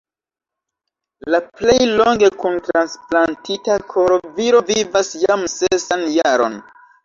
La plej longe kun transplantita koro viro vivas jam sesan jaron.